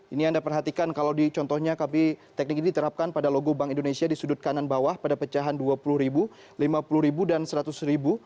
ini anda perhatikan kalau dicontohnya kami teknik ini diterapkan pada logo bank indonesia di sudut kanan bawah pada pecahan rp dua puluh rp lima puluh ribu dan rp seratus